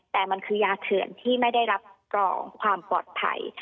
แต่มันคือยาเถื่อนที่ไม่ได้รับรองความปลอดภัย